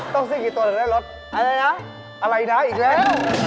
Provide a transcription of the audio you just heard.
ต้องซื้อกี่ตัวละรถอะไรนะอีกแล้ว